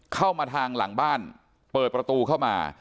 เข้ามาทางหลังบ้านเปิดประตูเข้ามา